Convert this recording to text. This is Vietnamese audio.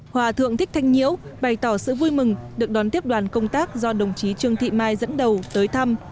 hòa thượng thích thanh nhiễu bày tỏ sự vui mừng được đón tiếp đoàn công tác do đồng chí trương thị mai dẫn đầu tới thăm